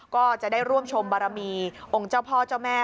ก็จะได้ร่วมชมบารมีองค์เจ้าพ่อเจ้าแม่